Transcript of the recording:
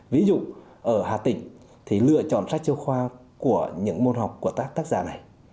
ví dụ ở hà tịnh thì lựa chọn sách giáo khoa của những môn học của tác giả này